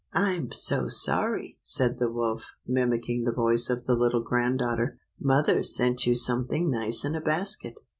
" I'm so sorry," said the wolf, mimicking the voice of the little grand daughter. " Mother's sent you something nice in a basket."